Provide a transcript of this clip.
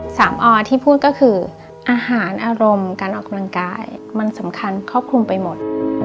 ออที่พูดก็คืออาหารอารมณ์การออกกำลังกายมันสำคัญครอบคลุมไปหมด